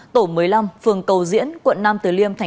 tổ một mươi năm phường cầu diễn quận năm từ liêm tp hà nội